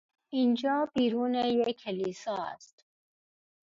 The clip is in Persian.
اینجا بیرون یک کلیسا است.